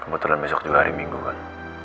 kebetulan besok juga hari minggu kan